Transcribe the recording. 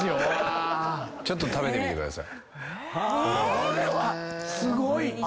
これはすごい。